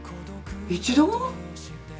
一度も？